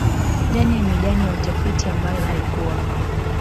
ndani ya midani ya utafiti ambayo haikuwa